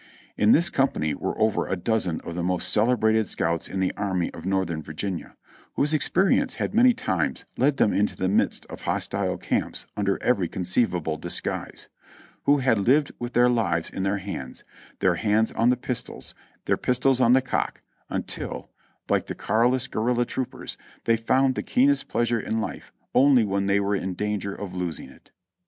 In this company were over a dozen of the most celebrated scouts in the Army of Northern Virginia, whose experience had many times led them into the midst of hostile camps under every conceivable disguise ; who had lived with their lives in their hands, their hands on the pistols, their pistols on the cock, until, like the Carlist guerrilla troopers, they foimd the keenest pleasure in life only when they were in danger of losing it.